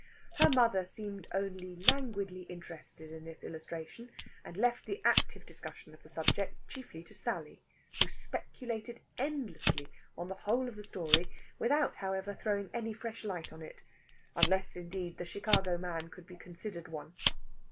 Her mother seemed only languidly interested in this illustration, and left the active discussion of the subject chiefly to Sally, who speculated endlessly on the whole of the story; without, however, throwing any fresh light on it unless indeed, the Chicago man could be considered one.